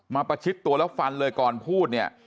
ประชิดตัวแล้วฟันเลยก่อนพูดเนี่ย